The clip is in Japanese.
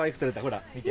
ほら見て。